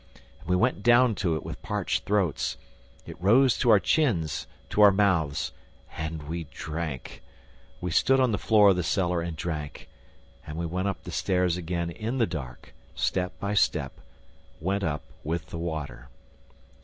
and we went down to it with parched throats. It rose to our chins, to our mouths. And we drank. We stood on the floor of the cellar and drank. And we went up the stairs again in the dark, step by step, went up with the water.